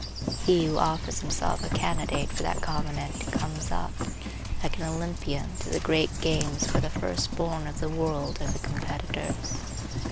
He who offers himself a candidate for that covenant comes up, like an Olympian, to the great games where the first born of the world are the competitors.